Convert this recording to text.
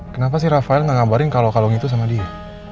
kenapa sih rafael ngabarin kalau kalung itu sama dia